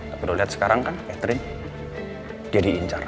tapi lo lihat sekarang kan catherine dia diincar